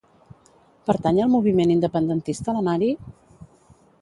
Pertany al moviment independentista la Mari?